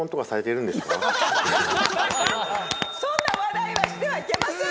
そんな話題はしてはいけません！